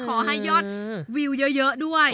ขอให้ยอดวิวเยอะด้วย